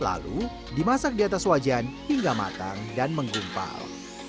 lalu dimasak di atas wajan hingga matang dan menggumpal